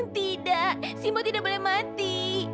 tidak simbol tidak boleh mati